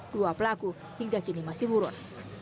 dua pelaku hingga kini masih buron